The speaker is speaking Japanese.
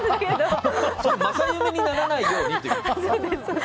正夢にならないようにっていう。